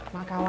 mbak be gua